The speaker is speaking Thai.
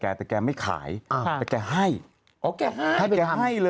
จากแกแต่แกไม่ขายแต่แกให้